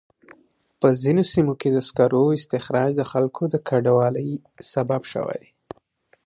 په ځینو سیمو کې د سکرو استخراج د خلکو د کډوالۍ سبب شوی.